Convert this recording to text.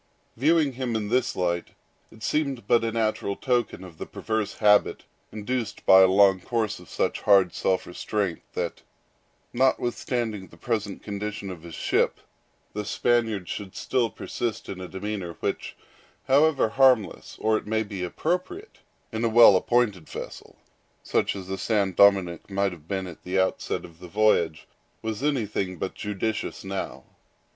Viewing him in this light, it seemed but a natural token of the perverse habit induced by a long course of such hard self restraint, that, notwithstanding the present condition of his ship, the Spaniard should still persist in a demeanor, which, however harmless, or, it may be, appropriate, in a well appointed vessel, such as the San Dominick might have been at the outset of the voyage, was anything but judicious now.